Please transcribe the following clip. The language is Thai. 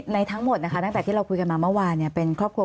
ทั้งหมดนะคะตั้งแต่ที่เราคุยกันมาเมื่อวานเป็นครอบครัว